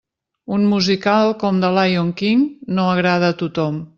Un musical com The Lyon King no agrada a tothom.